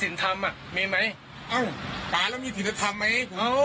มีสิทธิธรรมอ่ะมีไหมอ้าวป่าแล้วมีสิทธิธรรมไหมอ้าว